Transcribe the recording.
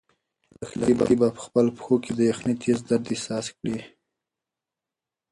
لښتې په خپلو پښو کې د یخنۍ تېز درد احساس کړ.